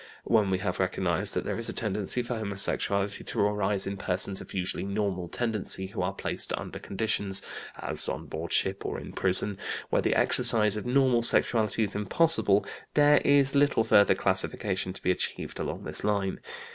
When we have recognized that there is a tendency for homosexuality to arise in persons of usually normal tendency who are placed under conditions (as on board ship or in prison) where the exercise of normal sexuality is impossible, there is little further classification to be achieved along this line.